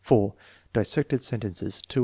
Dissected sentences. (8 of 3.